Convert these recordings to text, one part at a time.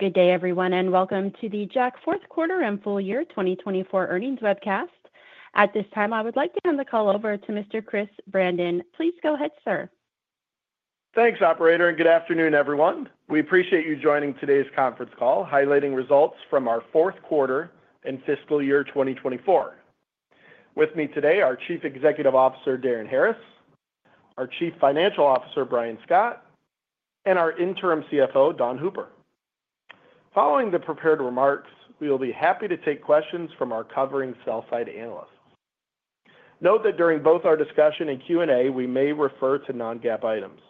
Good day, everyone, and welcome to the Jack fourth quarter and full year 2024 earnings webcast. At this time, I would like to hand the call over to Mr. Chris Brandon. Please go ahead, sir. Thanks, operator, and good afternoon, everyone. We appreciate you joining today's conference call, highlighting results from our fourth quarter and fiscal year 2024. With me today, our Chief Executive Officer, Darin Harris, our Chief Financial Officer, Brian Scott, and our Interim CFO, Don Hooper. Following the prepared remarks, we will be happy to take questions from our covering sell-side analysts. Note that during both our discussion and Q&A, we may refer to non-GAAP items.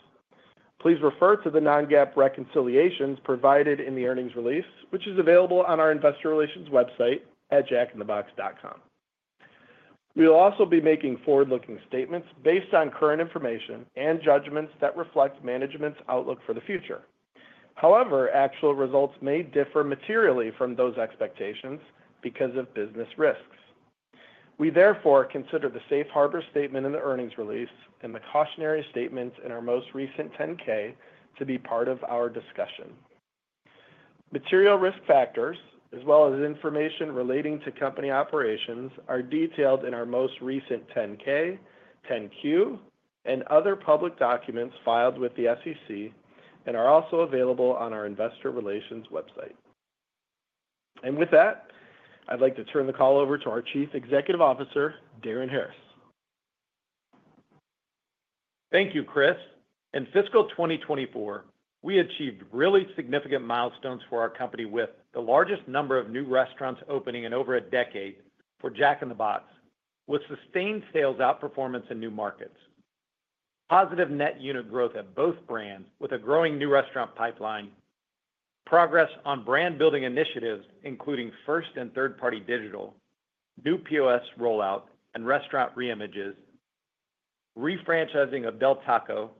Please refer to the non-GAAP reconciliations provided in the earnings release, which is available on our investor relations website at jackinthebox.com. We will also be making forward-looking statements based on current information and judgments that reflect management's outlook for the future. However, actual results may differ materially from those expectations because of business risks. We, therefore, consider the safe harbor statement in the earnings release and the cautionary statements in our most recent 10-K to be part of our discussion. Material risk factors, as well as information relating to company operations, are detailed in our most recent 10-K, 10-Q, and other public documents filed with the SEC and are also available on our investor relations website, and with that, I'd like to turn the call over to our Chief Executive Officer, Darin Harris. Thank you, Chris. In fiscal 2024, we achieved really significant milestones for our company with the largest number of new restaurants opening in over a decade for Jack in the Box, with sustained sales outperformance in new markets, positive net unit growth at both brands with a growing new restaurant pipeline, progress on brand-building initiatives, including first and third-party digital, new POS rollout, and restaurant reimages, refranchising of Del Taco,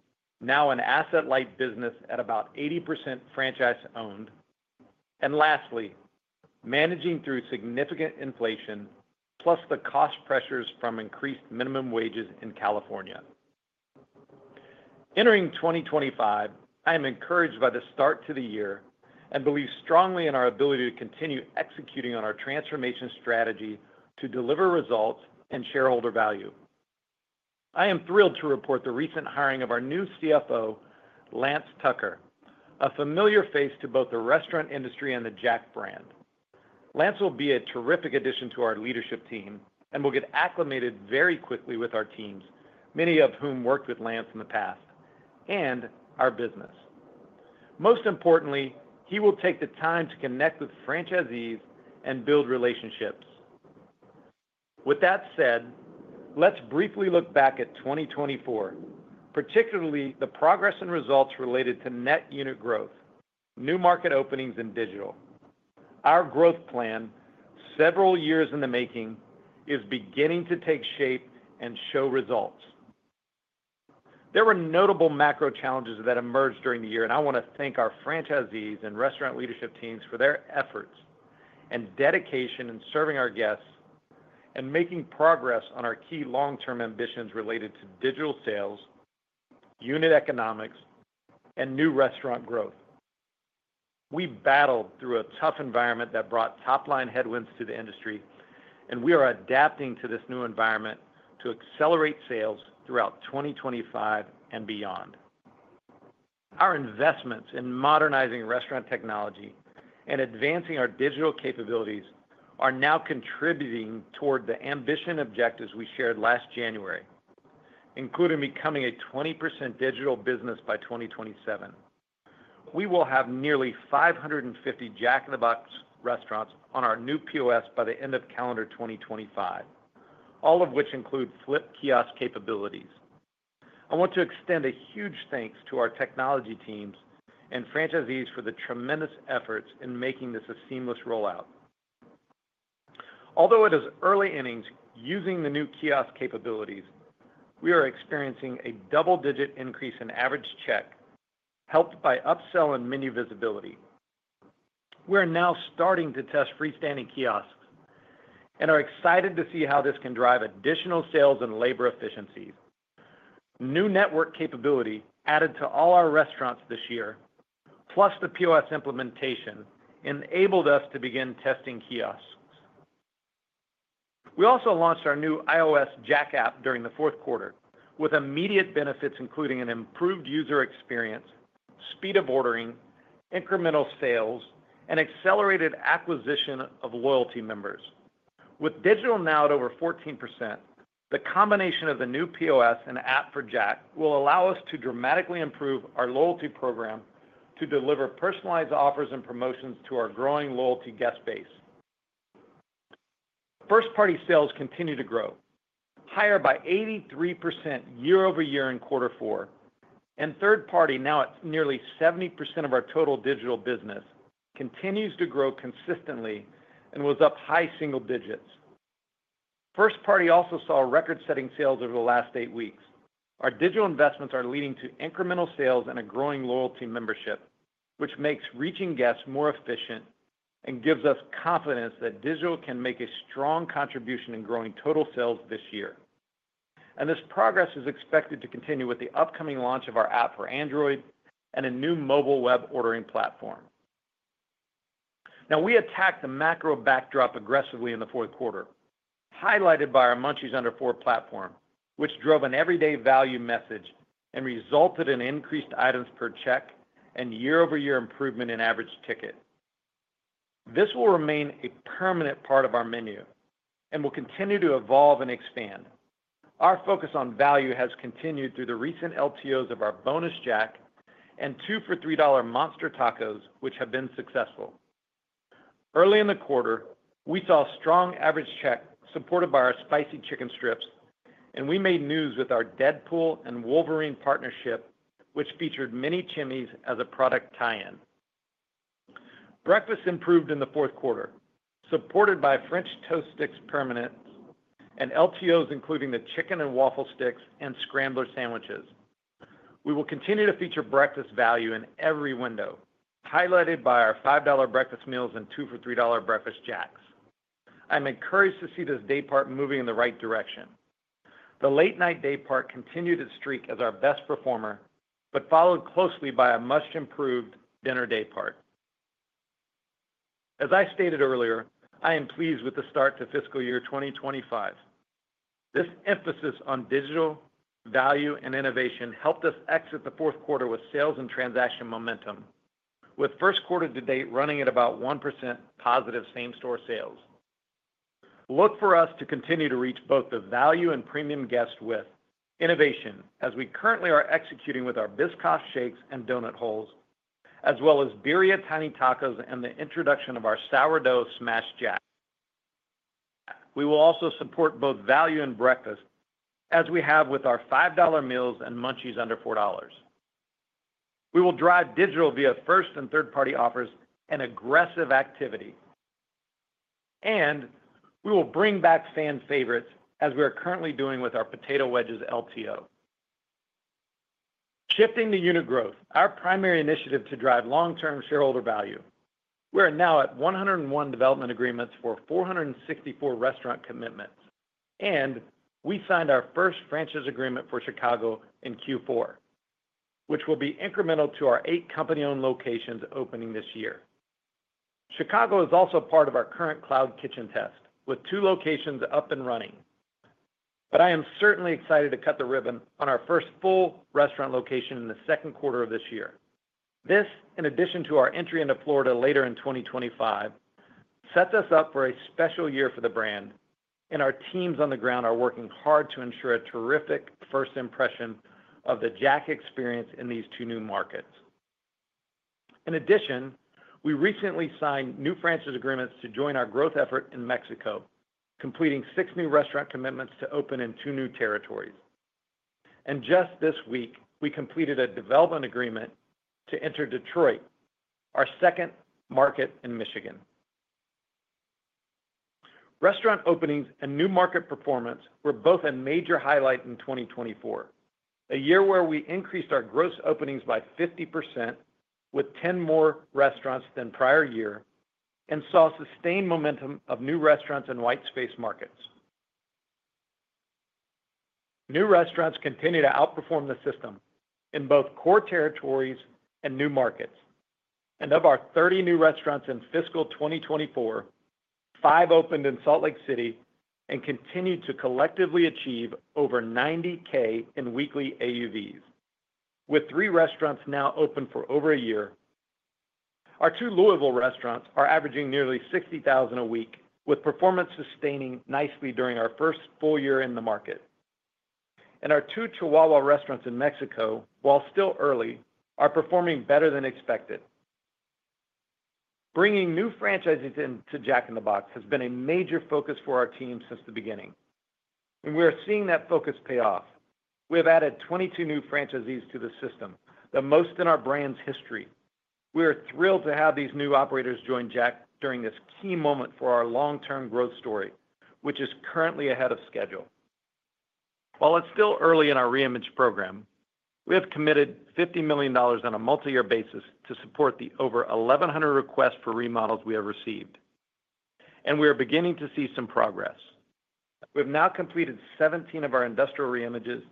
now an asset-light business at about 80% franchise-owned, and lastly, managing through significant inflation, plus the cost pressures from increased minimum wages in California. Entering 2025, I am encouraged by the start to the year and believe strongly in our ability to continue executing on our transformation strategy to deliver results and shareholder value. I am thrilled to report the recent hiring of our new CFO, Lance Tucker, a familiar face to both the restaurant industry and the Jack brand. Lance will be a terrific addition to our leadership team and will get acclimated very quickly with our teams, many of whom worked with Lance in the past, and our business. Most importantly, he will take the time to connect with franchisees and build relationships. With that said, let's briefly look back at 2024, particularly the progress and results related to net unit growth, new market openings, and digital. Our growth plan, several years in the making, is beginning to take shape and show results. There were notable macro challenges that emerged during the year, and I want to thank our franchisees and restaurant leadership teams for their efforts and dedication in serving our guests and making progress on our key long-term ambitions related to digital sales, unit economics, and new restaurant growth. We battled through a tough environment that brought top-line headwinds to the industry, and we are adapting to this new environment to accelerate sales throughout 2025 and beyond. Our investments in modernizing restaurant technology and advancing our digital capabilities are now contributing toward the ambitious objectives we shared last January, including becoming a 20% digital business by 2027. We will have nearly 550 Jack in the Box restaurants on our new POS by the end of calendar 2025, all of which include flip kiosk capabilities. I want to extend a huge thanks to our technology teams and franchisees for the tremendous efforts in making this a seamless rollout. Although it is early innings using the new kiosk capabilities, we are experiencing a double-digit increase in average check, helped by upsell and menu visibility. We're now starting to test freestanding kiosks and are excited to see how this can drive additional sales and labor efficiencies. New network capability added to all our restaurants this year, plus the POS implementation, enabled us to begin testing kiosks. We also launched our new iOS Jack App during the fourth quarter, with immediate benefits including an improved user experience, speed of ordering, incremental sales, and accelerated acquisition of loyalty members. With digital now at over 14%, the combination of the new POS and app for Jack will allow us to dramatically improve our loyalty program to deliver personalized offers and promotions to our growing loyalty guest base. First-party sales continue to grow, higher by 83% year-over-year in quarter four, and third-party, now at nearly 70% of our total digital business, continues to grow consistently and was up high single digits. First-party also saw record-setting sales over the last eight weeks. Our digital investments are leading to incremental sales and a growing loyalty membership, which makes reaching guests more efficient and gives us confidence that digital can make a strong contribution in growing total sales this year, and this progress is expected to continue with the upcoming launch of our app for Android and a new mobile web ordering platform. Now, we attacked the macro backdrop aggressively in the fourth quarter, highlighted by our Munchies Under $4 platform, which drove an everyday value message and resulted in increased items per check and year-over-year improvement in average ticket. This will remain a permanent part of our menu and will continue to evolve and expand. Our focus on value has continued through the recent LTOs of our Bonus Jack and two-for-$3 Monster Tacos, which have been successful. Early in the quarter, we saw strong average check supported by our Spicy Chicken Strips, and we made news with our Deadpool & Wolverine partnership, which featured Mini Chimis as a product tie-in. Breakfast improved in the fourth quarter, supported by French Toast Sticks permanent and LTOs, including the Chicken and Waffle Sticks and Scrambler Sandwiches. We will continue to feature breakfast value in every window, highlighted by our $5 breakfast meals and two-for-$3 Breakfast Jacks. I'm encouraged to see this day part moving in the right direction. The late-night day part continued its streak as our best performer, but followed closely by a much-improved dinner day part. As I stated earlier, I am pleased with the start to fiscal year 2025. This emphasis on digital value and innovation helped us exit the fourth quarter with sales and transaction momentum, with first quarter to date running at about 1% positive same-store sales. Look for us to continue to reach both the value and premium guests with innovation, as we currently are executing with our Biscoff Shakes and Donut Holes, as well as Birria Tiny Tacos and the introduction of our Sourdough Smashed Jack. We will also support both value and breakfast, as we have with our $5 meals and Munchies Under $4. We will drive digital via first and third-party offers and aggressive activity, and we will bring back fan favorites, as we are currently doing with our Potato Wedges LTO. Shifting to unit growth, our primary initiative to drive long-term shareholder value. We're now at 101 development agreements for 464 restaurant commitments, and we signed our first franchise agreement for Chicago in Q4, which will be incremental to our eight company-owned locations opening this year. Chicago is also part of our current cloud kitchen test, with two locations up and running, but I am certainly excited to cut the ribbon on our first full restaurant location in the second quarter of this year. This, in addition to our entry into Florida later in 2025, sets us up for a special year for the brand, and our teams on the ground are working hard to ensure a terrific first impression of the Jack experience in these two new markets. In addition, we recently signed new franchise agreements to join our growth effort in Mexico, completing six new restaurant commitments to open in two new territories. Just this week, we completed a development agreement to enter Detroit, our second market in Michigan. Restaurant openings and new market performance were both a major highlight in 2024, a year where we increased our gross openings by 50%, with 10 more restaurants than prior year, and saw sustained momentum of new restaurants and white space markets. New restaurants continue to outperform the system in both core territories and new markets. Of our 30 new restaurants in fiscal 2024, five opened in Salt Lake City and continued to collectively achieve over $90,000 in weekly AUVs, with three restaurants now open for over a year. Our two Louisville restaurants are averaging nearly $60,000 a week, with performance sustaining nicely during our first full year in the market. Our two Chihuahua restaurants in Mexico, while still early, are performing better than expected. Bringing new franchisees into Jack in the Box has been a major focus for our team since the beginning, and we are seeing that focus pay off. We have added 22 new franchisees to the system, the most in our brand's history. We are thrilled to have these new operators join Jack during this key moment for our long-term growth story, which is currently ahead of schedule. While it's still early in our reimage program, we have committed $50 million on a multi-year basis to support the over 1,100 requests for remodels we have received, and we are beginning to see some progress. We have now completed 17 of our industrial reimages,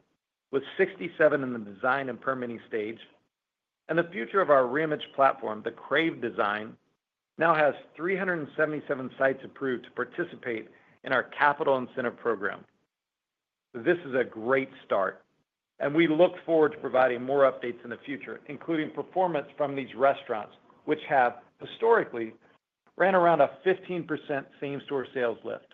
with 67 in the design and permitting stage, and the future of our reimage platform, the Crave Design, now has 377 sites approved to participate in our capital incentive program. This is a great start, and we look forward to providing more updates in the future, including performance from these restaurants, which have historically ran around a 15% same-store sales lift.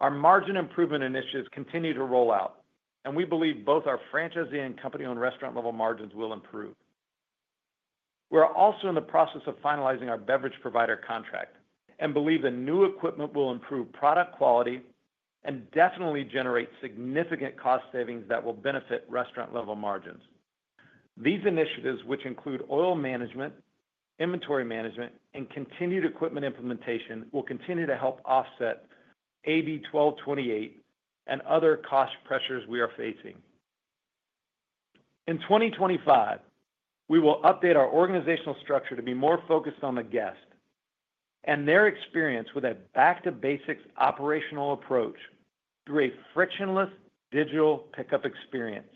Our margin improvement initiatives continue to roll out, and we believe both our franchisee and company-owned restaurant-level margins will improve. We're also in the process of finalizing our beverage provider contract and believe the new equipment will improve product quality and definitely generate significant cost savings that will benefit restaurant-level margins. These initiatives, which include oil management, inventory management, and continued equipment implementation, will continue to help offset AB 1228 and other cost pressures we are facing. In 2025, we will update our organizational structure to be more focused on the guest and their experience with a back-to-basics operational approach through a frictionless digital pickup experience.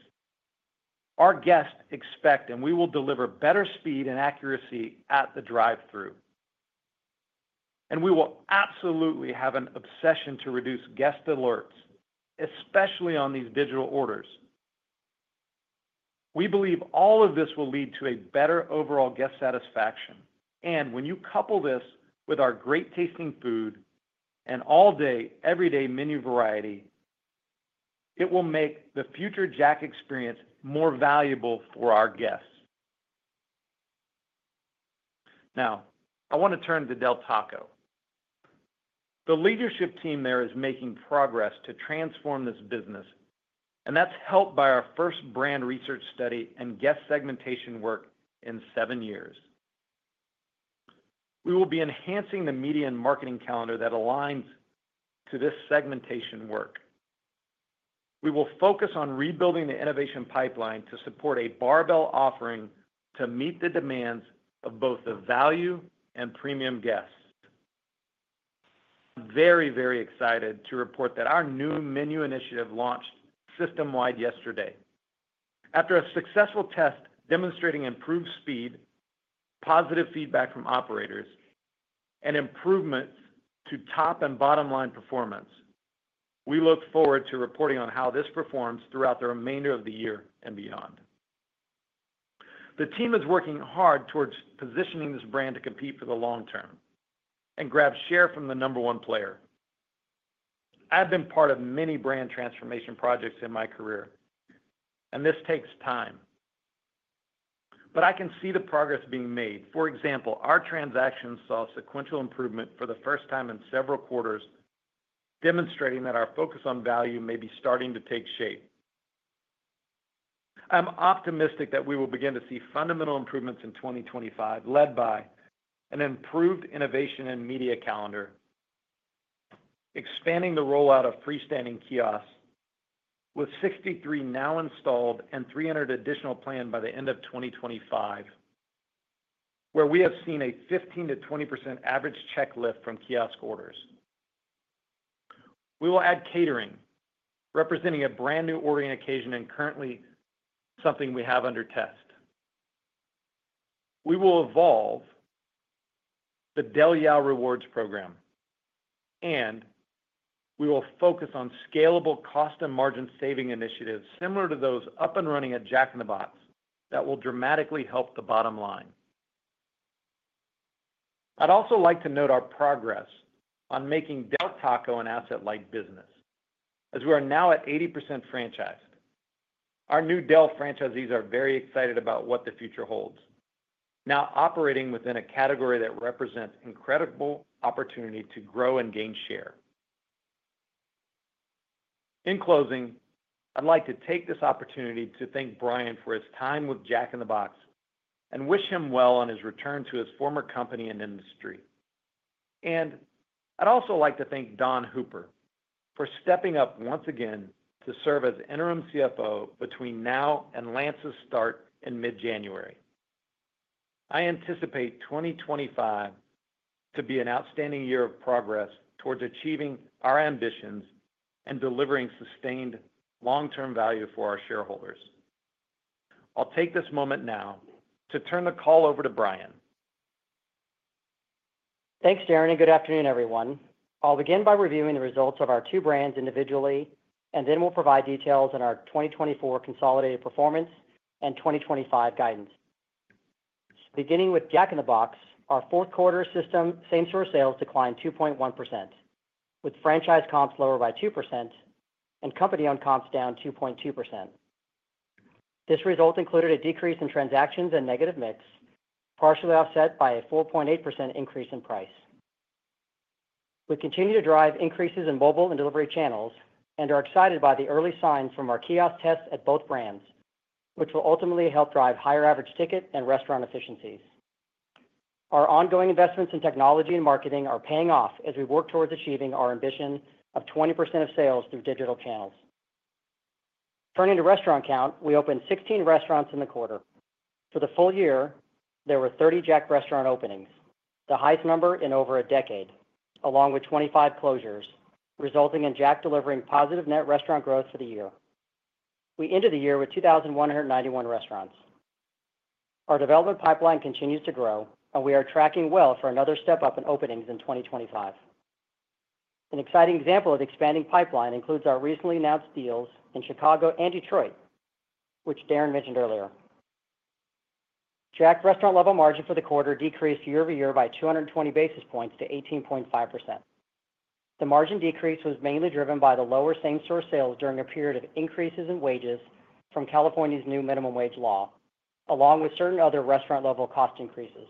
Our guests expect, and we will deliver better speed and accuracy at the drive-thru. We will absolutely have an obsession to reduce guest alerts, especially on these digital orders. We believe all of this will lead to a better overall guest satisfaction. When you couple this with our great tasting food and all-day, everyday menu variety, it will make the future Jack experience more valuable for our guests. Now, I want to turn to Del Taco. The leadership team there is making progress to transform this business, and that's helped by our first brand research study and guest segmentation work in seven years. We will be enhancing the media and marketing calendar that aligns to this segmentation work. We will focus on rebuilding the innovation pipeline to support a barbell offering to meet the demands of both the value and premium guests. I'm very, very excited to report that our new menu initiative launched system-wide yesterday. After a successful test demonstrating improved speed, positive feedback from operators, and improvements to top and bottom-line performance, we look forward to reporting on how this performs throughout the remainder of the year and beyond. The team is working hard towards positioning this brand to compete for the long term and grab share from the number one player. I've been part of many brand transformation projects in my career, and this takes time. But I can see the progress being made. For example, our transactions saw sequential improvement for the first time in several quarters, demonstrating that our focus on value may be starting to take shape. I'm optimistic that we will begin to see fundamental improvements in 2025, led by an improved innovation and media calendar, expanding the rollout of freestanding kiosks with 63 now installed and 300 additional planned by the end of 2025, where we have seen a 15%-20% average check lift from kiosk orders. We will add catering, representing a brand new ordering occasion and currently something we have under test. We will evolve the Del Yeah! Rewards program, and we will focus on scalable cost and margin saving initiatives similar to those up and running at Jack in the Box that will dramatically help the bottom line. I'd also like to note our progress on making Del Taco an asset-light business, as we are now at 80% franchised. Our new Del franchisees are very excited about what the future holds, now operating within a category that represents incredible opportunity to grow and gain share. In closing, I'd like to take this opportunity to thank Brian for his time with Jack in the Box and wish him well on his return to his former company and industry, and I'd also like to thank Don Hooper for stepping up once again to serve as interim CFO between now and Lance's start in mid-January. I anticipate 2025 to be an outstanding year of progress towards achieving our ambitions and delivering sustained long-term value for our shareholders. I'll take this moment now to turn the call over to Brian. Thanks, Darin, and good afternoon, everyone. I'll begin by reviewing the results of our two brands individually, and then we'll provide details on our 2024 consolidated performance and 2025 guidance. Beginning with Jack in the Box, our fourth quarter system same-store sales declined 2.1%, with franchise comps lower by 2% and company-owned comps down 2.2%. This result included a decrease in transactions and negative mix, partially offset by a 4.8% increase in price. We continue to drive increases in mobile and delivery channels and are excited by the early signs from our kiosk tests at both brands, which will ultimately help drive higher average ticket and restaurant efficiencies. Our ongoing investments in technology and marketing are paying off as we work towards achieving our ambition of 20% of sales through digital channels. Turning to restaurant count, we opened 16 restaurants in the quarter. For the full year, there were 30 Jack restaurant openings, the highest number in over a decade, along with 25 closures, resulting in Jack delivering positive net restaurant growth for the year. We ended the year with 2,191 restaurants. Our development pipeline continues to grow, and we are tracking well for another step up in openings in 2025. An exciting example of the expanding pipeline includes our recently announced deals in Chicago and Detroit, which Darin mentioned earlier. Jack restaurant-level margin for the quarter decreased year-over-year by 220 basis points to 18.5%. The margin decrease was mainly driven by the lower same-store sales during a period of increases in wages from California's new minimum wage law, along with certain other restaurant-level cost increases.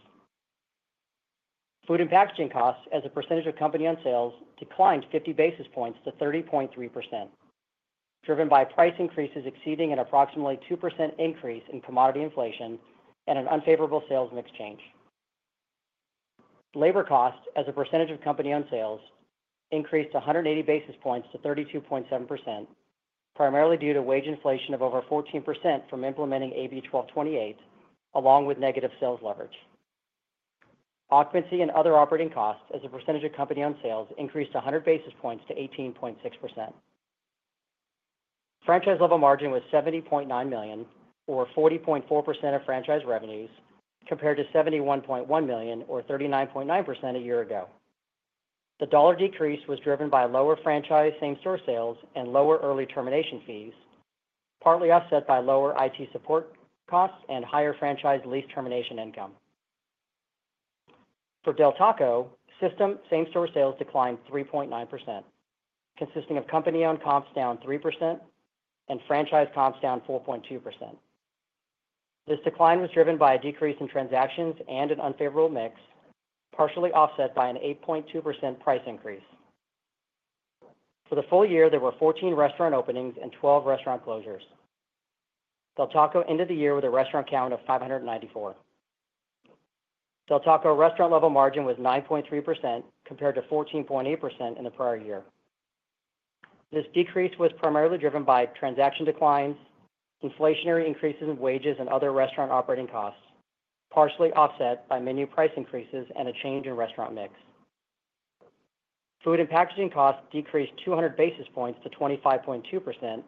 Food and packaging costs, as a percentage of company-owned sales, declined 50 basis points to 30.3%, driven by price increases exceeding an approximately 2% increase in commodity inflation and an unfavorable sales mix change. Labor costs, as a percentage of company-owned sales, increased 180 basis points to 32.7%, primarily due to wage inflation of over 14% from implementing AB 1228, along with negative sales leverage. Occupancy and other operating costs, as a percentage of company-owned sales, increased 100 basis points to 18.6%. Franchise-level margin was $70.9 million, or 40.4% of franchise revenues, compared to $71.1 million, or 39.9% a year ago. The dollar decrease was driven by lower franchise same-store sales and lower early termination fees, partly offset by lower IT support costs and higher franchise lease termination income. For Del Taco, system same-store sales declined 3.9%, consisting of company-owned comps down 3% and franchise comps down 4.2%. This decline was driven by a decrease in transactions and an unfavorable mix, partially offset by an 8.2% price increase. For the full year, there were 14 restaurant openings and 12 restaurant closures. Del Taco ended the year with a restaurant count of 594. Del Taco restaurant-level margin was 9.3%, compared to 14.8% in the prior year. This decrease was primarily driven by transaction declines, inflationary increases in wages, and other restaurant operating costs, partially offset by menu price increases and a change in restaurant mix. Food and packaging costs decreased 200 basis points to 25.2%,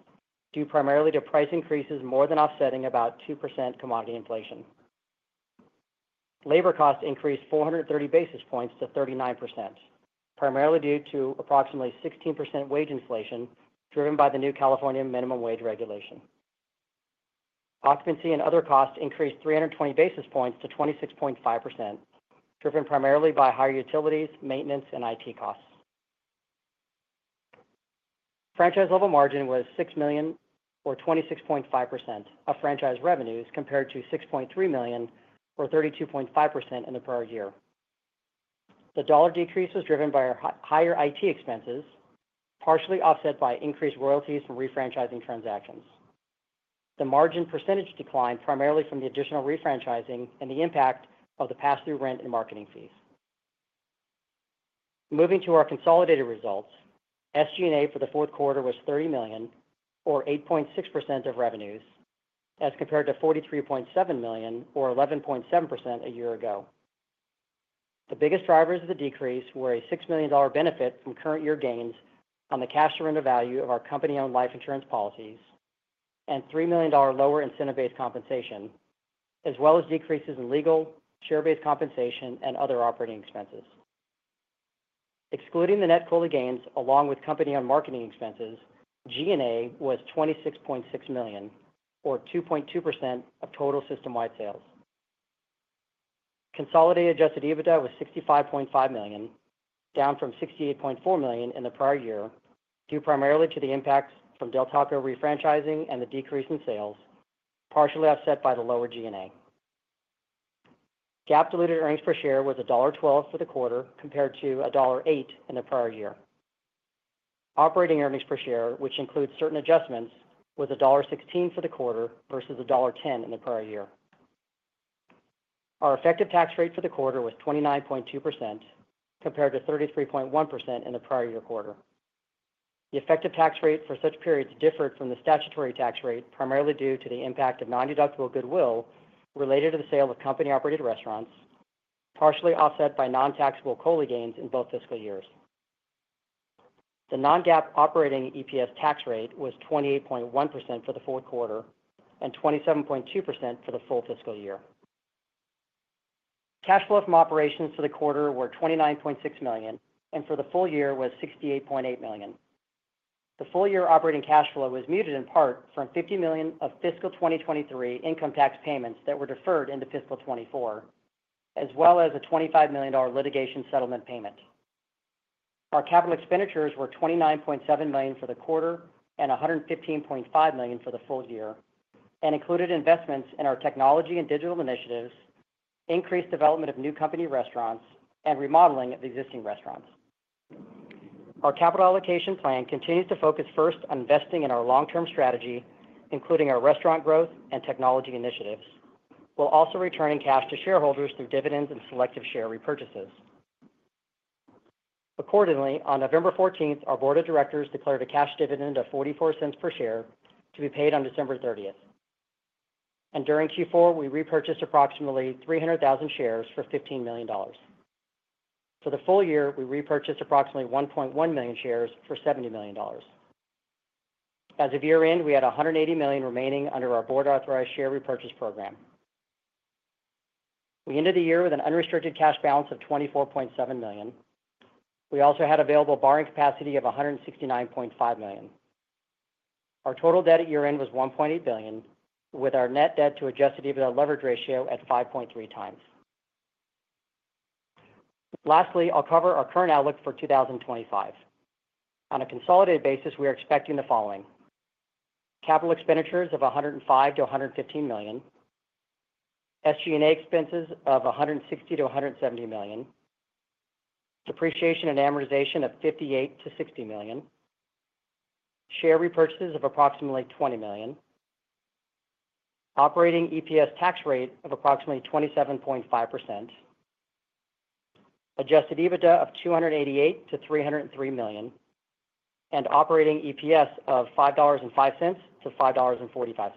due primarily to price increases more than offsetting about 2% commodity inflation. Labor costs increased 430 basis points to 39%, primarily due to approximately 16% wage inflation driven by the new California minimum wage regulation. Occupancy and other costs increased 320 basis points to 26.5%, driven primarily by higher utilities, maintenance, and IT costs. Franchise-level margin was $6 million, or 26.5% of franchise revenues, compared to $6.3 million, or 32.5% in the prior year. The dollar decrease was driven by higher IT expenses, partially offset by increased royalties from refranchising transactions. The margin percentage declined primarily from the additional refranchising and the impact of the pass-through rent and marketing fees. Moving to our consolidated results, SG&A for the fourth quarter was $30 million, or 8.6% of revenues, as compared to $43.7 million, or 11.7% a year ago. The biggest drivers of the decrease were a $6 million benefit from current year gains on the cash surrender value of our company-owned life insurance policies and $3 million lower incentive-based compensation, as well as decreases in legal, share-based compensation, and other operating expenses. Excluding the net COLI gains, along with company-owned marketing expenses, G&A was $26.6 million, or 2.2% of total system-wide sales. Consolidated adjusted EBITDA was $65.5 million, down from $68.4 million in the prior year, due primarily to the impacts from Del Taco refranchising and the decrease in sales, partially offset by the lower G&A. GAAP-diluted earnings per share was $1.12 for the quarter, compared to $1.08 in the prior year. Operating earnings per share, which includes certain adjustments, was $1.16 for the quarter versus $1.10 in the prior year. Our effective tax rate for the quarter was 29.2%, compared to 33.1% in the prior year quarter. The effective tax rate for such periods differed from the statutory tax rate, primarily due to the impact of non-deductible goodwill related to the sale of company-operated restaurants, partially offset by non-taxable COLI gains in both fiscal years. The non-GAAP operating EPS tax rate was 28.1% for the fourth quarter and 27.2% for the full fiscal year. Cash flow from operations for the quarter was $29.6 million, and for the full year was $68.8 million. The full year operating cash flow was muted in part from $50 million of fiscal 2023 income tax payments that were deferred into fiscal 2024, as well as a $25 million litigation settlement payment. Our capital expenditures were $29.7 million for the quarter and $115.5 million for the full year, and included investments in our technology and digital initiatives, increased development of new company restaurants, and remodeling of existing restaurants. Our capital allocation plan continues to focus first on investing in our long-term strategy, including our restaurant growth and technology initiatives. We'll also return cash to shareholders through dividends and selective share repurchases. Accordingly, on November 14th, our board of directors declared a cash dividend of $0.44 per share to be paid on December 30th. During Q4, we repurchased approximately 300,000 shares for $15 million. For the full year, we repurchased approximately 1.1 million shares for $70 million. As of year-end, we had 180 million remaining under our board-authorized share repurchase program. We ended the year with an unrestricted cash balance of $24.7 million. We also had available borrowing capacity of $169.5 million. Our total debt at year-end was $1.8 billion, with our net debt to adjusted EBITDA leverage ratio at 5.3 times. Lastly, I'll cover our current outlook for 2025. On a consolidated basis, we are expecting the following: capital expenditures of $105-115 million, SG&A expenses of $160 million-$170 million, depreciation and amortization of $58 million-$60 million, share repurchases of approximately $20 million, operating EPS tax rate of approximately 27.5%, adjusted EBITDA of $288 million-$303 million, and operating EPS of $5.05-$5.45.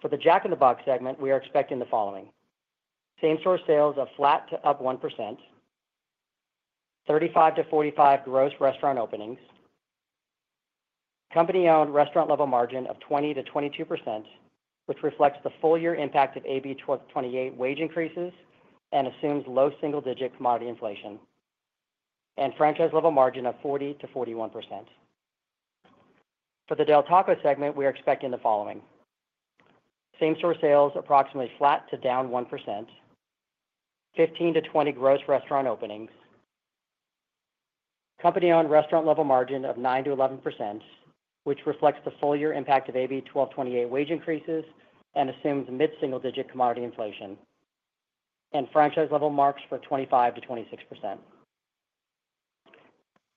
For the Jack in the Box segment, we are expecting the following: same-store sales of flat to up 1%, 35-45 gross restaurant openings, company-owned restaurant-level margin of 20%-22%, which reflects the full year impact of AB 1228 wage increases and assumes low single-digit commodity inflation, and franchise-level margin of 40%-41%. For the Del Taco segment, we are expecting the following: same-store sales approximately flat to down 1%, 15-20 gross restaurant openings, company-owned restaurant-level margin of 9%-11%, which reflects the full year impact of AB 1228 wage increases and assumes mid-single-digit commodity inflation, and franchise-level margins of 25%-26%.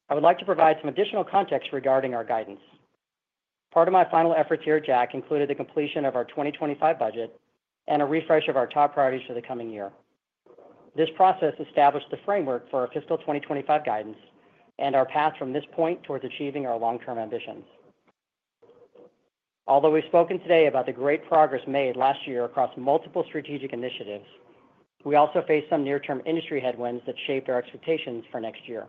I would like to provide some additional context regarding our guidance. Part of my final efforts here at Jack included the completion of our 2025 budget and a refresh of our top priorities for the coming year. This process established the framework for our fiscal 2025 guidance and our path from this point towards achieving our long-term ambitions. Although we've spoken today about the great progress made last year across multiple strategic initiatives, we also faced some near-term industry headwinds that shaped our expectations for next year.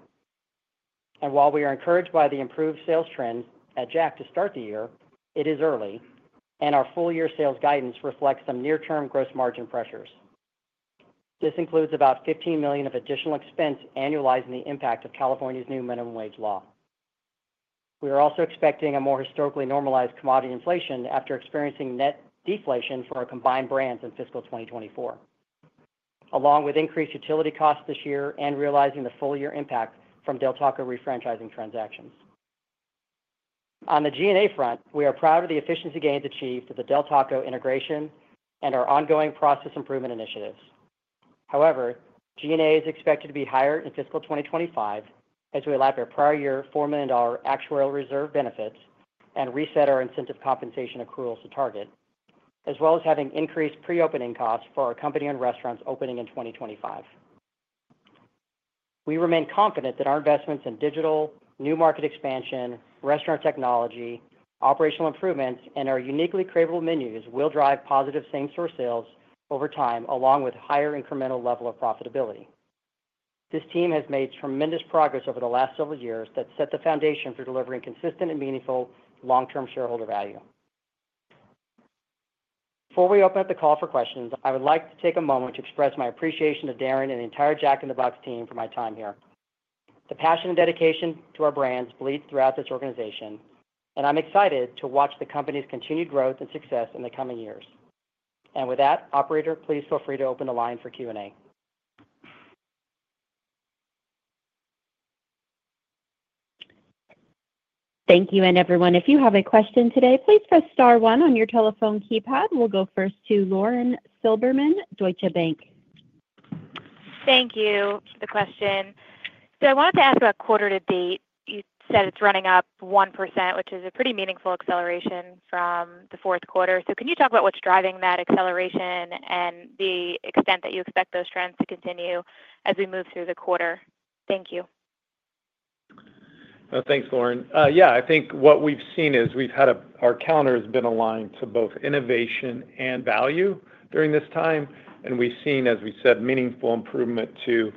While we are encouraged by the improved sales trend at Jack to start the year, it is early, and our full year sales guidance reflects some near-term gross margin pressures. This includes about $15 million of additional expense annualizing the impact of California's new minimum wage law. We are also expecting a more historically normalized commodity inflation after experiencing net deflation for our combined brands in fiscal 2024, along with increased utility costs this year and realizing the full year impact from Del Taco refranchising transactions. On the SG&A front, we are proud of the efficiency gains achieved with the Del Taco integration and our ongoing process improvement initiatives. However, SG&A is expected to be higher in fiscal 2025 as we allow our prior year $4 million actual reserve benefits and reset our incentive compensation accruals to target, as well as having increased pre-opening costs for our company-owned restaurants opening in 2025. We remain confident that our investments in digital, new market expansion, restaurant technology, operational improvements, and our uniquely craveable menus will drive positive same-store sales over time, along with higher incremental level of profitability. This team has made tremendous progress over the last several years that set the foundation for delivering consistent and meaningful long-term shareholder value. Before we open up the call for questions, I would like to take a moment to express my appreciation to Darin and the entire Jack in the Box team for my time here. The passion and dedication to our brands bleed throughout this organization, and I'm excited to watch the company's continued growth and success in the coming years, and with that, operator, please feel free to open the line for Q&A. Thank you, and everyone. If you have a question today, please press star one on your telephone keypad. We'll go first to Lauren Silberman, Deutsche Bank. Thank you for the question. So I wanted to ask about quarter-to-date. You said it's running up 1%, which is a pretty meaningful acceleration from the fourth quarter. So can you talk about what's driving that acceleration and the extent that you expect those trends to continue as we move through the quarter? Thank you. Thanks, Lauren. Yeah, I think what we've seen is we've had our calendar has been aligned to both innovation and value during this time. And we've seen, as we said, meaningful improvement to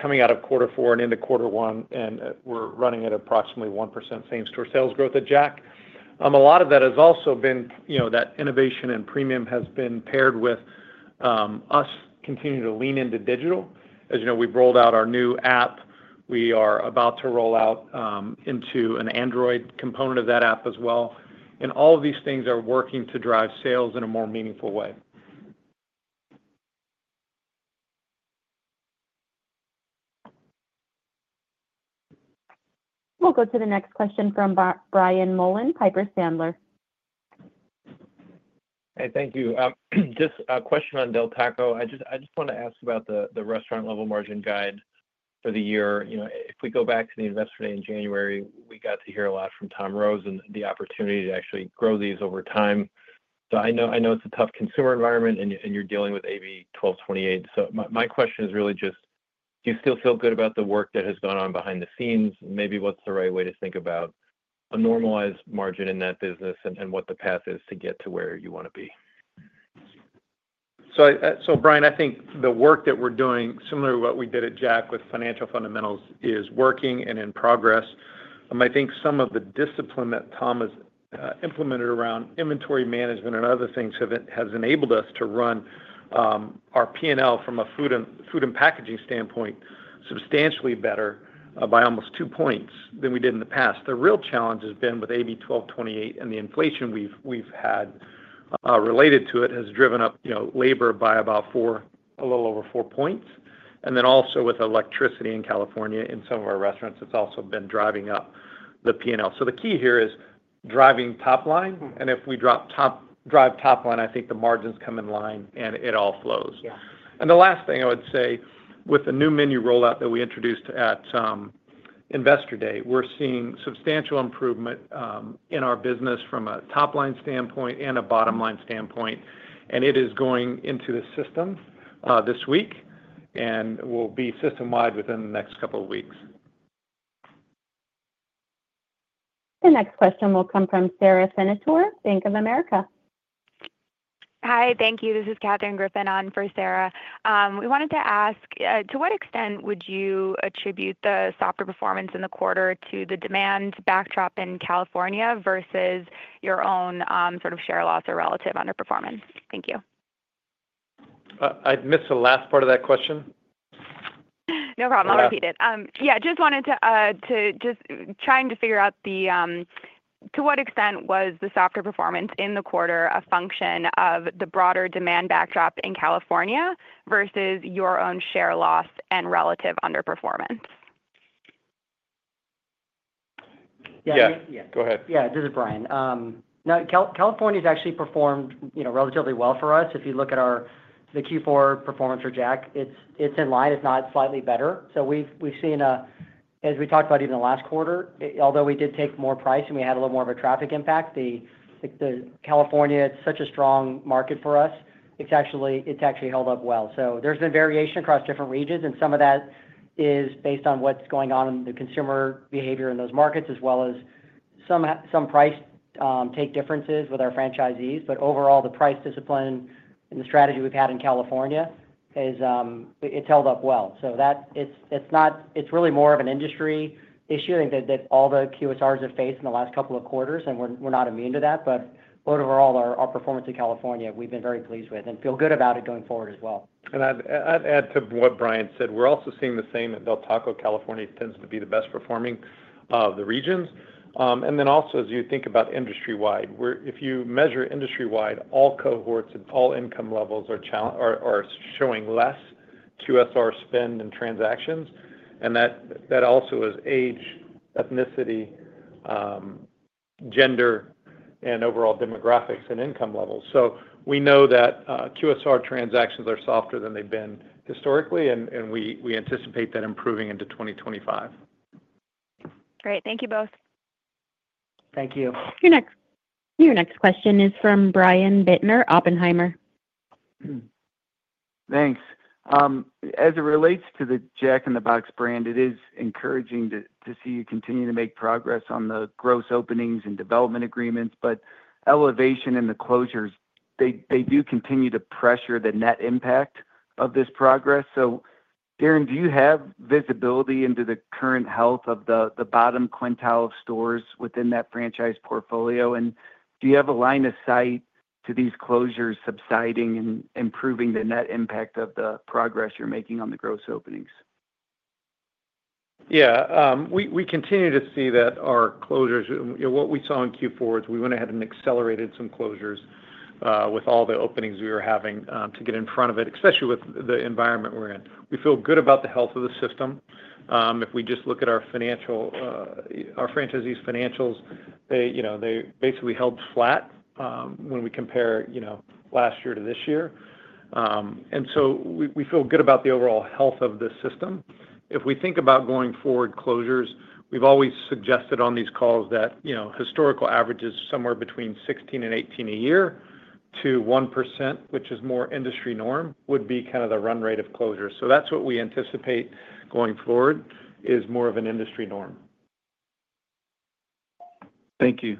coming out of quarter four and into quarter one, and we're running at approximately 1% same-store sales growth at Jack. A lot of that has also been that innovation and premium has been paired with us continuing to lean into digital. As you know, we've rolled out our new app. We are about to roll out into an Android component of that app as well. And all of these things are working to drive sales in a more meaningful way. We'll go to the next question from Brian Mullan, Piper Sandler. Hey, thank you. Just a question on Del Taco. I just want to ask about the restaurant-level margin guide for the year. If we go back to the investor day in January, we got to hear a lot from Tom Rose and the opportunity to actually grow these over time. So I know it's a tough consumer environment, and you're dealing with AB 1228. So my question is really just, do you still feel good about the work that has gone on behind the scenes? Maybe what's the right way to think about a normalized margin in that business and what the path is to get to where you want to be? So Brian, I think the work that we're doing, similar to what we did at Jack with financial fundamentals, is working and in progress. I think some of the discipline that Tom has implemented around inventory management and other things has enabled us to run our P&L from a food and packaging standpoint substantially better by almost two points than we did in the past. The real challenge has been with AB 1228, and the inflation we've had related to it has driven up labor by about a little over four points. And then also with electricity in California in some of our restaurants, it's also been driving up the P&L. So the key here is driving top line. And if we drive top line, I think the margins come in line and it all flows. The last thing I would say, with the new menu rollout that we introduced at Investor Day, we're seeing substantial improvement in our business from a top line standpoint and a bottom line standpoint. It is going into the system this week and will be system-wide within the next couple of weeks. The next question will come from Sara Senatore, Bank of America. Hi, thank you. This is Katherine Griffin on for Sara. We wanted to ask, to what extent would you attribute the same-store performance in the quarter to the demand backdrop in California versus your own sort of share loss or relative underperformance? Thank you. I missed the last part of that question. No problem. I'll repeat it. Yeah, just wanted to, just trying to figure out to what extent was the same-store performance in the quarter a function of the broader demand backdrop in California versus your own share loss and relative underperformance? Yeah, go ahead. Yeah, this is Brian. Now, California has actually performed relatively well for us. If you look at the Q4 performance for Jack, it's in line. It's not slightly better. So we've seen, as we talked about even the last quarter, although we did take more price and we had a little more of a traffic impact, California is such a strong market for us. It's actually held up well. So there's been variation across different regions, and some of that is based on what's going on in the consumer behavior in those markets, as well as some price take differences with our franchisees. But overall, the price discipline and the strategy we've had in California, it's held up well. So it's really more of an industry issue that all the QSRs have faced in the last couple of quarters, and we're not immune to that. But overall, our performance in California, we've been very pleased with and feel good about it going forward as well. And I'd add to what Brian said. We're also seeing the same, that Del Taco California tends to be the best performing of the regions. And then also, as you think about industry-wide, if you measure industry-wide, all cohorts and all income levels are showing less QSR spend and transactions. And that also is age, ethnicity, gender, and overall demographics and income levels. So we know that QSR transactions are softer than they've been historically, and we anticipate that improving into 2025. Great. Thank you both. Thank you. Your next question is from Brian Bittner, Oppenheimer. Thanks. As it relates to the Jack in the Box brand, it is encouraging to see you continue to make progress on the gross openings and development agreements. But elevation in the closures, they do continue to pressure the net impact of this progress. So Darin, do you have visibility into the current health of the bottom quintile of stores within that franchise portfolio? And do you have a line of sight to these closures subsiding and improving the net impact of the progress you're making on the gross openings? Yeah. We continue to see that our closures, what we saw in Q4, is we went ahead and accelerated some closures with all the openings we were having to get in front of it, especially with the environment we're in. We feel good about the health of the system. If we just look at our franchisees' financials, they basically held flat when we compare last year to this year. And so we feel good about the overall health of the system. If we think about going forward closures, we've always suggested on these calls that historical averages somewhere between 16 and 18 a year to 1%, which is more industry norm, would be kind of the run rate of closures. So that's what we anticipate going forward is more of an industry norm. Thank you.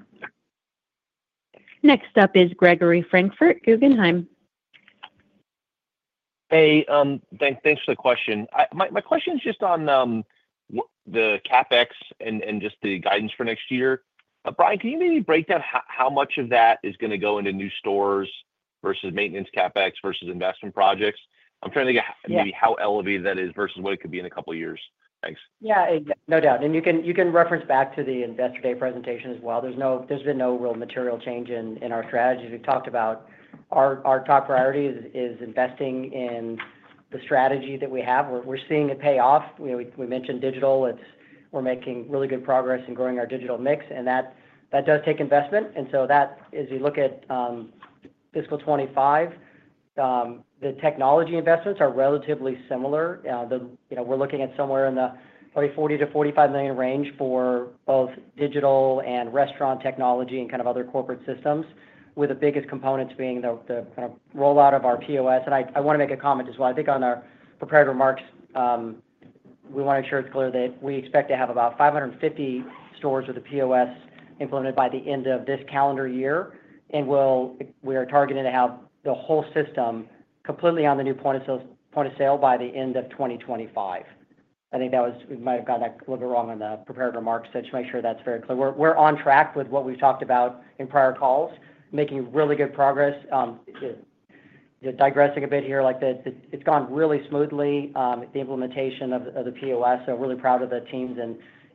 Next up is Gregory Francfort, Guggenheim. Hey, thanks for the question. My question is just on the CapEx and just the guidance for next year. Brian, can you maybe break down how much of that is going to go into new stores versus maintenance CapEx versus investment projects? I'm trying to think of how elevated that is versus what it could be in a couple of years. Thanks. Yeah, no doubt. And you can reference back to the Investor Day presentation as well. There's been no real material change in our strategies. We've talked about our top priority is investing in the strategy that we have. We're seeing it pay off. We mentioned digital. We're making really good progress in growing our digital mix, and that does take investment. And so as we look at fiscal 2025, the technology investments are relatively similar. We're looking at somewhere in the probably $40 million-$45 million range for both digital and restaurant technology and kind of other corporate systems, with the biggest components being the kind of rollout of our POS. And I want to make a comment as well. I think on our prepared remarks, we want to ensure it's clear that we expect to have about 550 stores with a POS implemented by the end of this calendar year, and we are targeting to have the whole system completely on the new point of sale by the end of 2025. I think we might have gotten that a little bit wrong on the prepared remarks, so just make sure that's very clear. We're on track with what we've talked about in prior calls, making really good progress. Digressing a bit here, it's gone really smoothly, the implementation of the POS, so really proud of the teams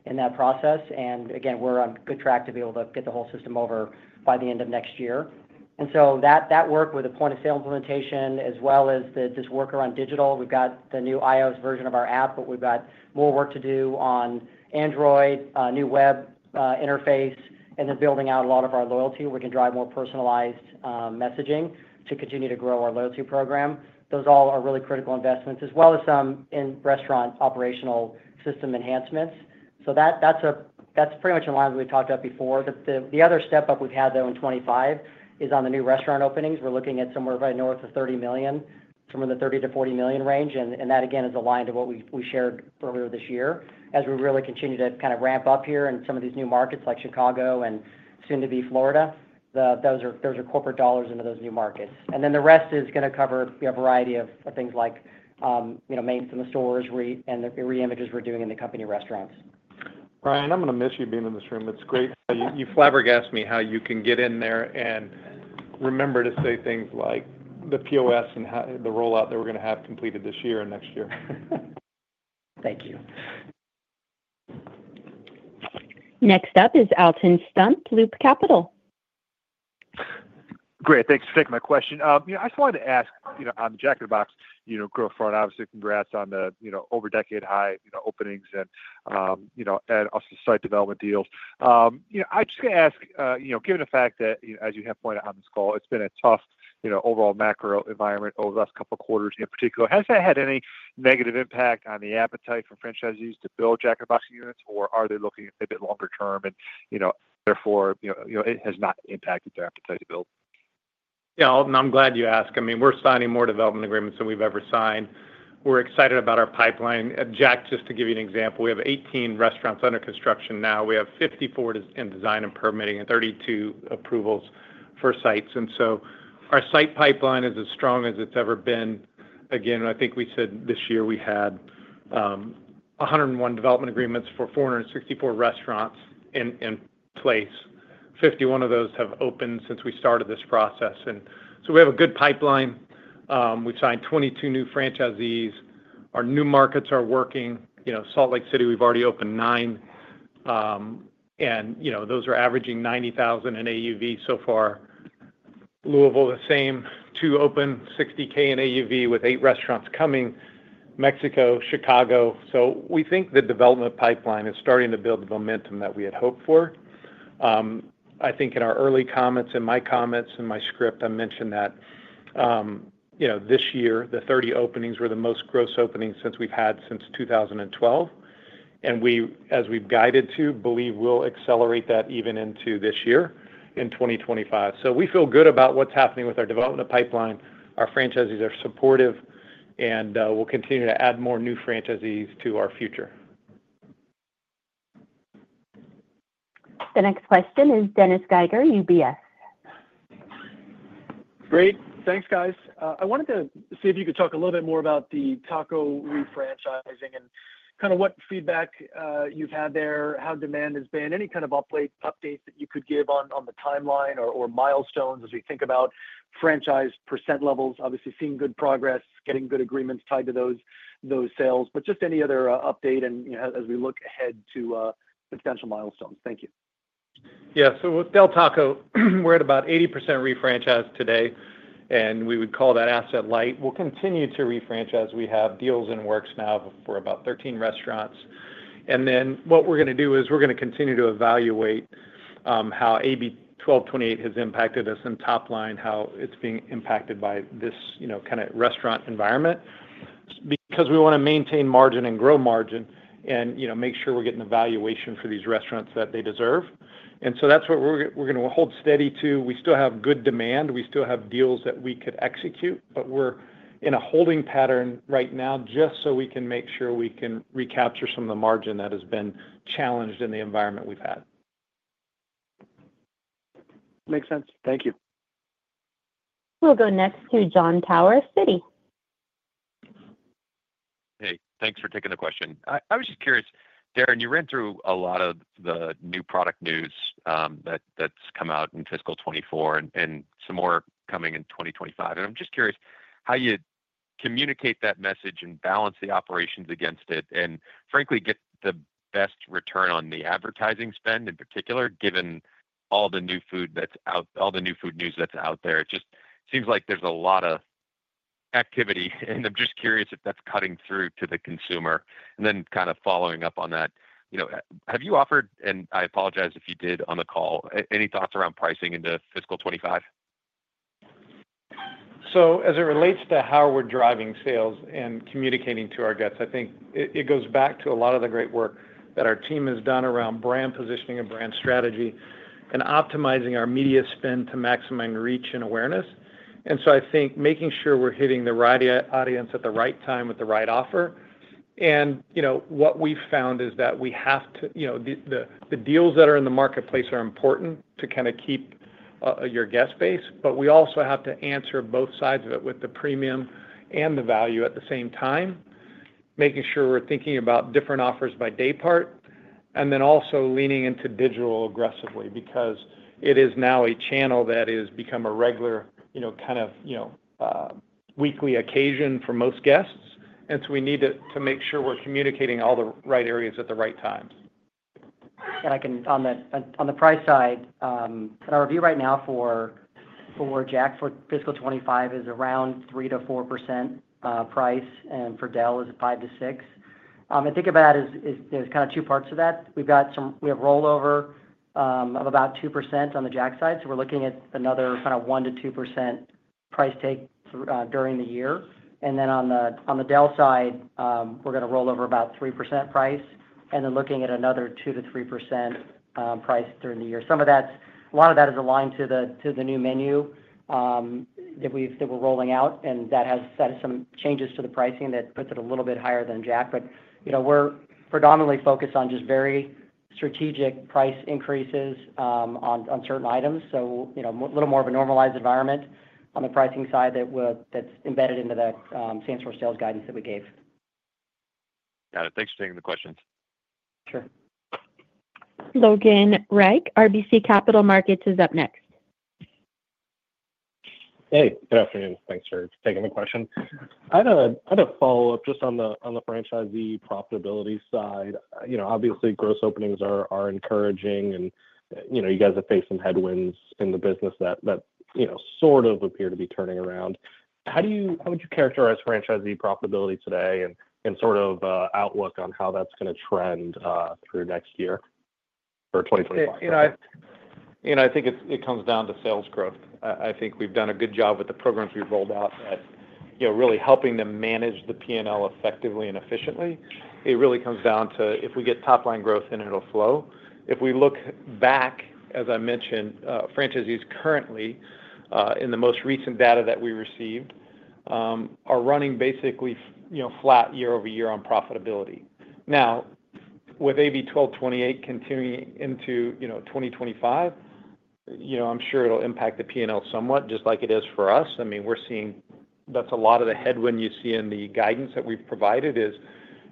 in that process, and again, we're on good track to be able to get the whole system over by the end of next year, and so that work with the point of sale implementation, as well as this work around digital. We've got the new iOS version of our app, but we've got more work to do on Android, new web interface, and then building out a lot of our loyalty where we can drive more personalized messaging to continue to grow our loyalty program. Those all are really critical investments, as well as some in restaurant operational system enhancements. So that's pretty much in line with what we talked about before. The other step up we've had, though, in 2025 is on the new restaurant openings. We're looking at somewhere right north of $30 million, somewhere in the $30 million-$40 million range, and that, again, is aligned to what we shared earlier this year. As we really continue to kind of ramp up here in some of these new markets like Chicago and soon-to-be Florida, those are corporate dollars into those new markets. The rest is going to cover a variety of things like maintenance in the stores and the reimages we're doing in the company restaurants. Brian, I'm going to miss you being in this room. It's great. You flabbergast me how you can get in there and remember to say things like the POS and the rollout that we're going to have completed this year and next year. Thank you. Next up is Alton Stump, Loop Capital. Great. Thanks for taking my question. I just wanted to ask, on the Jack in the Box growth front, obviously, congrats on the over-decade high openings and also the site development deals. I just want to ask, given the fact that, as you have pointed out on this call, it's been a tough overall macro environment over the last couple of quarters in particular. Has that had any negative impact on the appetite for franchisees to build Jack in the Box units, or are they looking a bit longer term and therefore it has not impacted their appetite to build? Yeah, Alton, I'm glad you asked. I mean, we're signing more development agreements than we've ever signed. We're excited about our pipeline. Jack, just to give you an example, we have 18 restaurants under construction now. We have 54 in design and permitting and 32 approvals for sites. And so our site pipeline is as strong as it's ever been. Again, I think we said this year we had 101 development agreements for 464 restaurants in place. 51 of those have opened since we started this process. And so we have a good pipeline. We've signed 22 new franchisees. Our new markets are working. Salt Lake City, we've already opened nine. And those are averaging 90,000 in AUV so far. Louisville, the same. Two open, 60K in AUV with eight restaurants coming. Mexico, Chicago. So we think the development pipeline is starting to build the momentum that we had hoped for. I think in our early comments, in my comments, in my script, I mentioned that this year, the 30 openings were the most gross openings since we've had since 2012. And as we've guided to, believe we'll accelerate that even into this year in 2025. So we feel good about what's happening with our development pipeline. Our franchisees are supportive, and we'll continue to add more new franchisees to our future. The next question is Dennis Geiger, UBS. Great. Thanks, guys. I wanted to see if you could talk a little bit more about the taco refranchising and kind of what feedback you've had there, how demand has been, any kind of updates that you could give on the timeline or milestones as we think about franchise percent levels. Obviously, seeing good progress, getting good agreements tied to those sales, but just any other update as we look ahead to potential milestones. Thank you. Yeah. So with Del Taco, we're at about 80% refranchised today, and we would call that asset light. We'll continue to refranchise. We have deals in works now for about 13 restaurants. And then what we're going to do is we're going to continue to evaluate how AB 1228 has impacted us in top line, how it's being impacted by this kind of restaurant environment, because we want to maintain margin and grow margin and make sure we're getting the valuation for these restaurants that they deserve. And so that's what we're going to hold steady to. We still have good demand. We still have deals that we could execute, but we're in a holding pattern right now just so we can make sure we can recapture some of the margin that has been challenged in the environment we've had. Makes sense. Thank you. We'll go next to Jon Tower, Citi. Hey, thanks for taking the question. I was just curious, Darin, you ran through a lot of the new product news that's come out in fiscal 2024 and some more coming in 2025. And I'm just curious how you communicate that message and balance the operations against it and, frankly, get the best return on the advertising spend in particular, given all the new food that's out, all the new food news that's out there. It just seems like there's a lot of activity, and I'm just curious if that's cutting through to the consumer. And then kind of following up on that, have you offered, and I apologize if you did on the call, any thoughts around pricing into fiscal 2025? So as it relates to how we're driving sales and communicating to our guests, I think it goes back to a lot of the great work that our team has done around brand positioning and brand strategy and optimizing our media spend to maximize reach and awareness. And so I think making sure we're hitting the right audience at the right time with the right offer. And what we've found is that we have to have the deals that are in the marketplace, are important to kind of keep your guest base, but we also have to answer both sides of it with the premium and the value at the same time, making sure we're thinking about different offers by day part, and then also leaning into digital aggressively because it is now a channel that has become a regular kind of weekly occasion for most guests. And so we need to make sure we're communicating all the right areas at the right times. On the price side, our review right now for Jack for fiscal 2025 is around 3%-4% price, and for Del is 5%-6%. I think of that as there's kind of two parts of that. We have rollover of about 2% on the Jack side. So we're looking at another kind of 1%-2% price take during the year. And then on the Del side, we're going to roll over about 3% price and then looking at another 2%-3% price during the year. A lot of that is aligned to the new menu that we're rolling out, and that has some changes to the pricing that puts it a little bit higher than Jack. But we're predominantly focused on just very strategic price increases on certain items. A little more of a normalized environment on the pricing side that's embedded into that stands for sales guidance that we gave. Got it. Thanks for taking the questions. Sure. Logan Reich, RBC Capital Markets is up next. Hey, good afternoon. Thanks for taking the question. I had a follow-up just on the franchisee profitability side. Obviously, gross openings are encouraging, and you guys have faced some headwinds in the business that sort of appear to be turning around. How would you characterize franchisee profitability today and sort of outlook on how that's going to trend through next year or 2025? I think it comes down to sales growth. I think we've done a good job with the programs we've rolled out at really helping them manage the P&L effectively and efficiently. It really comes down to if we get top-line growth and it'll flow. If we look back, as I mentioned, franchisees currently, in the most recent data that we received, are running basically flat year over year on profitability. Now, with AB 1228 continuing into 2025, I'm sure it'll impact the P&L somewhat, just like it is for us. I mean, we're seeing that's a lot of the headwind you see in the guidance that we've provided is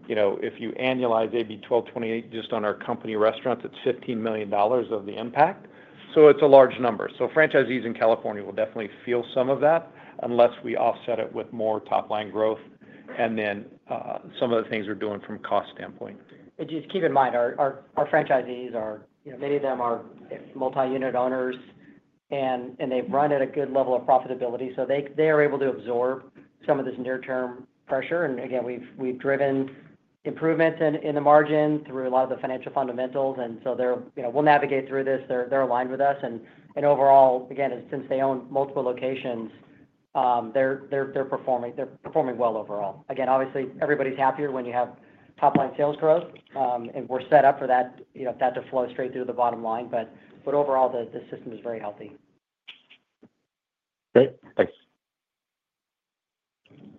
if you annualize AB 1228 just on our company restaurants, it's $15 million of the impact. So it's a large number. Franchisees in California will definitely feel some of that unless we offset it with more top-line growth and then some of the things we're doing from a cost standpoint. And just keep in mind, our franchisees, many of them are multi-unit owners, and they've run at a good level of profitability. So they are able to absorb some of this near-term pressure. And again, we've driven improvements in the margin through a lot of the financial fundamentals. And so we'll navigate through this. They're aligned with us. And overall, again, since they own multiple locations, they're performing well overall. Again, obviously, everybody's happier when you have top-line sales growth, and we're set up for that to flow straight through the bottom line. But overall, the system is very healthy. Great. Thanks.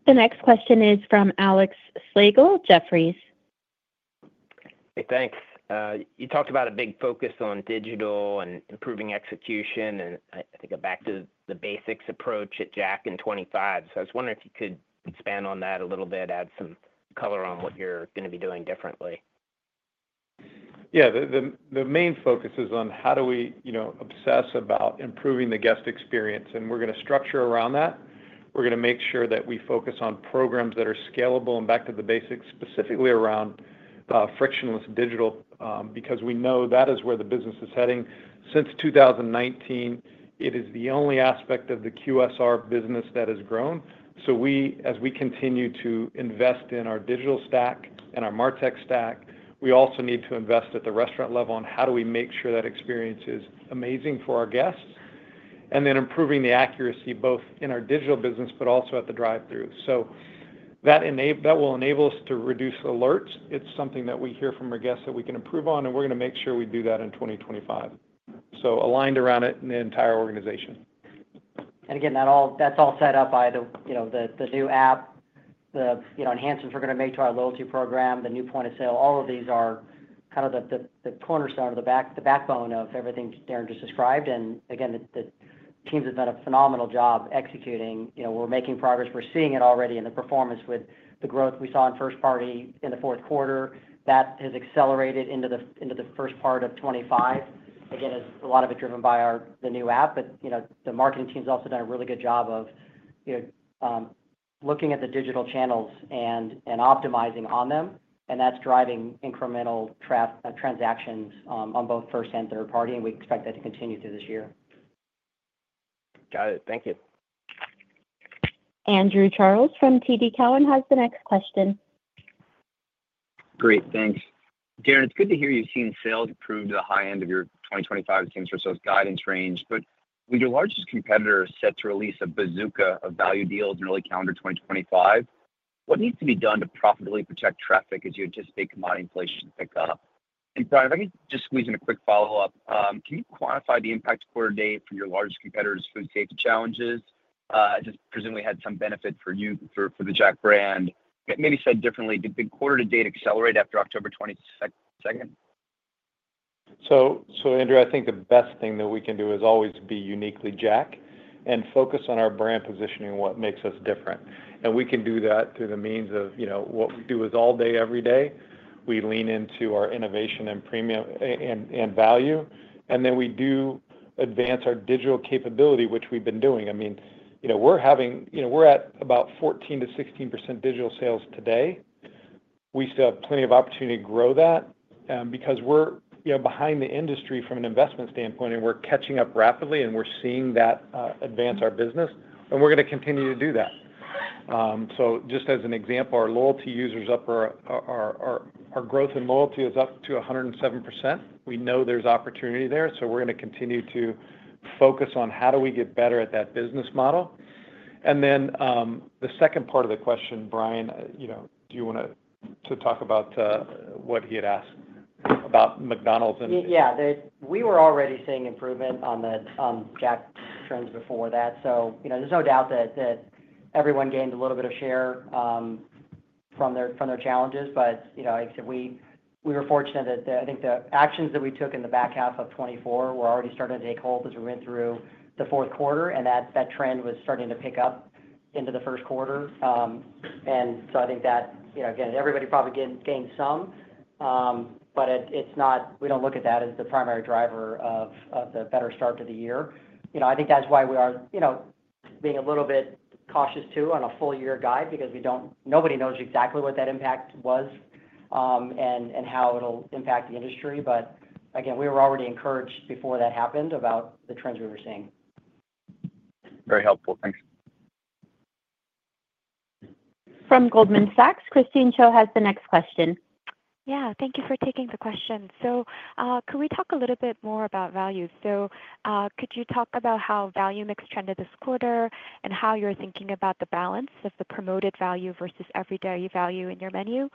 The next question is from Alex Slagle, Jefferies. Hey, thanks. You talked about a big focus on digital and improving execution, and I think back to the basics approach at Jack in 2025. So I was wondering if you could expand on that a little bit, add some color on what you're going to be doing differently? Yeah. The main focus is on how do we obsess about improving the guest experience, and we're going to structure around that. We're going to make sure that we focus on programs that are scalable and back to the basics, specifically around frictionless digital, because we know that is where the business is heading. Since 2019, it is the only aspect of the QSR business that has grown. So as we continue to invest in our digital stack and our MarTech stack, we also need to invest at the restaurant level on how do we make sure that experience is amazing for our guests, and then improving the accuracy both in our digital business, but also at the drive-thru. So that will enable us to reduce alerts. It's something that we hear from our guests that we can improve on, and we're going to make sure we do that in 2025, so aligned around it in the entire organization. Again, that's all set up by the new app, the enhancements we're going to make to our loyalty program, the new point of sale. All of these are kind of the cornerstone, the backbone of everything Darin just described. And again, the teams have done a phenomenal job executing. We're making progress. We're seeing it already in the performance with the growth we saw in first party in the fourth quarter. That has accelerated into the first part of 2025. Again, a lot of it driven by the new app, but the marketing team has also done a really good job of looking at the digital channels and optimizing on them. And that's driving incremental transactions on both first and third party, and we expect that to continue through this year. Got it. Thank you. Andrew Charles from TD Cowen has the next question. Great. Thanks. Darin, it's good to hear you've seen sales improve to the high end of your 2025 same-store sales guidance range, but with your largest competitor set to release a bazooka of value deals in early calendar 2025, what needs to be done to profitably protect traffic as you anticipate commodity inflation to pick up? And Brian, if I could just squeeze in a quick follow-up, can you quantify the impact quarter-to-date from your largest competitor's food safety challenges? I just presume we had some benefit for the Jack brand. Maybe said differently, did the quarter-to-date accelerate after October 22nd? Andrew, I think the best thing that we can do is always be uniquely Jack and focus on our brand positioning, what makes us different. We can do that through the means of what we do is all day, every day. We lean into our innovation and value, and then we do advance our digital capability, which we've been doing. I mean, we're at about 14%-16% digital sales today. We still have plenty of opportunity to grow that because we're behind the industry from an investment standpoint, and we're catching up rapidly, and we're seeing that advance our business, and we're going to continue to do that. Just as an example, our loyalty users up, our growth in loyalty is up to 107%. We know there's opportunity there, so we're going to continue to focus on how do we get better at that business model. And then the second part of the question, Brian, do you want to talk about what he had asked about McDonald's? Yeah. We were already seeing improvement on the Jack trends before that. So there's no doubt that everyone gained a little bit of share from their challenges. But like I said, we were fortunate that I think the actions that we took in the back half of 2024 were already starting to take hold as we went through the fourth quarter, and that trend was starting to pick up into the first quarter. And so I think that, again, everybody probably gained some, but we don't look at that as the primary driver of the better start to the year. I think that's why we are being a little bit cautious too on a full-year guide because nobody knows exactly what that impact was and how it'll impact the industry. But again, we were already encouraged before that happened about the trends we were seeing. Very helpful. Thanks. From Goldman Sachs, Christine Cho has the next question. Yeah. Thank you for taking the question. So could we talk a little bit more about value? So could you talk about how value mix trended this quarter and how you're thinking about the balance of the promoted value versus everyday value in your menu?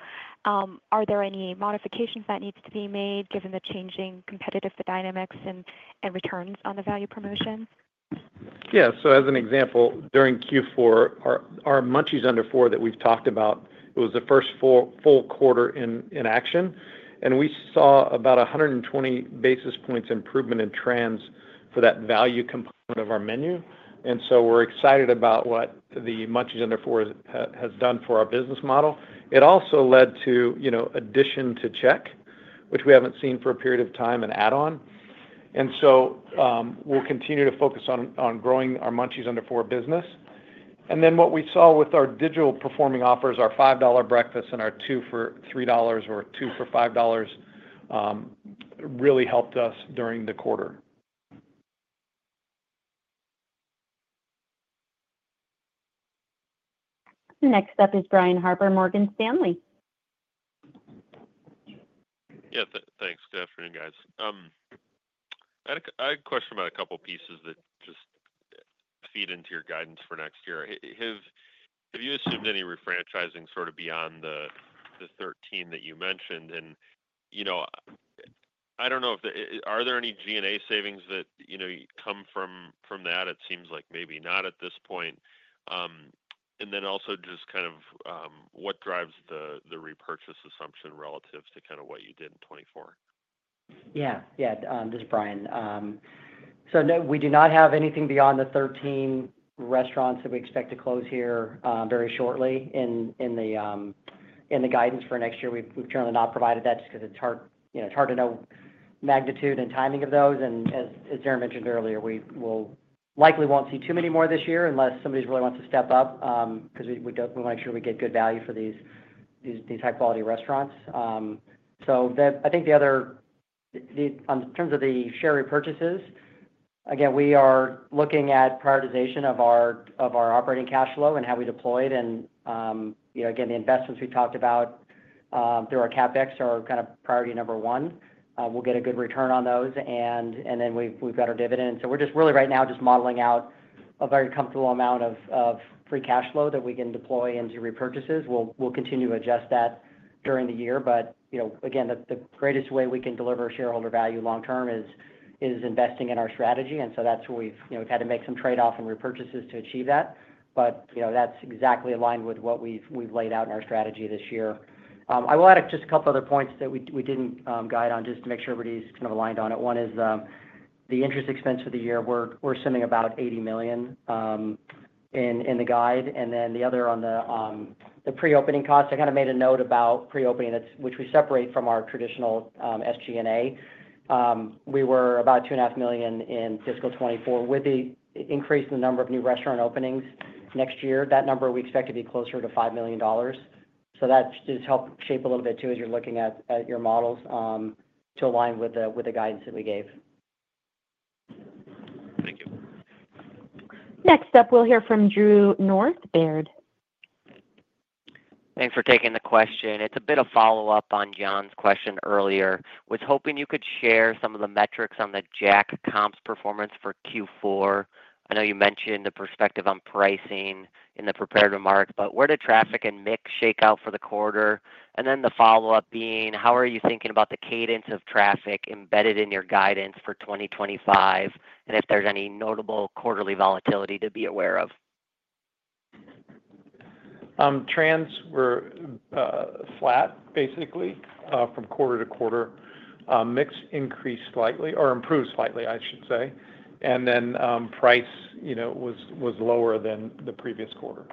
Are there any modifications that need to be made given the changing competitive dynamics and returns on the value promotion? Yeah. So as an example, during Q4, our Munchies Under $4 that we've talked about, it was the first full quarter in action, and we saw about 120 basis points improvement in trends for that value component of our menu. And so we're excited about what the Munchies Under $4 has done for our business model. It also led to addition to check, which we haven't seen for a period of time, an add-on. And so we'll continue to focus on growing our Munchies Under $4 business. And then what we saw with our digital performing offers, our $5 breakfast and our two for $3 or two for $5 really helped us during the quarter. Next up is Brian Harbour, Morgan Stanley. Yeah. Thanks. Good afternoon, guys. I had a question about a couple of pieces that just feed into your guidance for next year. Have you assumed any refranchising sort of beyond the 13 that you mentioned? And I don't know if there are any G&A savings that come from that? It seems like maybe not at this point. And then also just kind of what drives the repurchase assumption relative to kind of what you did in 2024? Yeah. Yeah. This is Brian. So we do not have anything beyond the 13 restaurants that we expect to close here very shortly in the guidance for next year. We've generally not provided that just because it's hard to know magnitude and timing of those. And as Darin mentioned earlier, we likely won't see too many more this year unless somebody really wants to step up because we want to make sure we get good value for these high-quality restaurants. So I think the other in terms of the share repurchases, again, we are looking at prioritization of our operating cash flow and how we deploy it. And again, the investments we talked about through our CapEx are kind of priority number one. We'll get a good return on those, and then we've got our dividend. And so we're just really right now just modeling out a very comfortable amount of free cash flow that we can deploy into repurchases. We'll continue to adjust that during the year. But again, the greatest way we can deliver shareholder value long-term is investing in our strategy. And so that's where we've had to make some trade-offs and repurchases to achieve that. But that's exactly aligned with what we've laid out in our strategy this year. I will add just a couple other points that we didn't guide on just to make sure everybody's kind of aligned on it. One is the interest expense for the year. We're assuming about $80 million in the guide. And then the other on the pre-opening costs. I kind of made a note about pre-opening, which we separate from our traditional SG&A. We were about $2.5 million in fiscal 2024. With the increase in the number of new restaurant openings next year, that number we expect to be closer to $5 million. So that just helps shape a little bit too as you're looking at your models to align with the guidance that we gave. Thank you. Next up, we'll hear from Drew North, Baird. Thanks for taking the question. It's a bit of follow-up on Jon's question earlier. I was hoping you could share some of the metrics on the Jack comps performance for Q4. I know you mentioned the perspective on pricing in the prepared remarks, but where did traffic and mix shake out for the quarter? And then the follow-up being, how are you thinking about the cadence of traffic embedded in your guidance for 2025? And if there's any notable quarterly volatility to be aware of? Trends were flat, basically, from quarter to quarter. Mix increased slightly or improved slightly, I should say, and then price was lower than the previous quarter.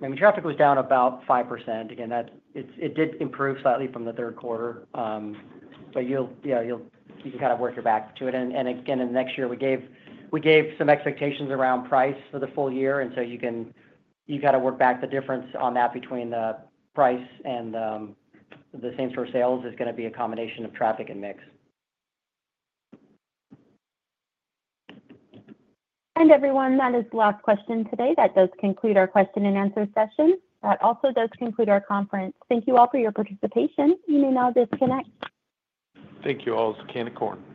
The traffic was down about 5%. Again, it did improve slightly from the third quarter, but yeah, you can kind of work your way back to it. Again, in the next year, we gave some expectations around price for the full year. So you kind of work back the difference on that between the price and the same-store sales is going to be a combination of traffic and mix. And everyone, that is the last question today. That does conclude our question-and-answer session. That also does conclude our conference. Thank you all for your participation. You may now disconnect. Thank you all. It was a can of corn.